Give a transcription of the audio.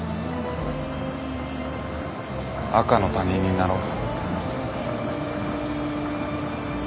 赤の他人になろう。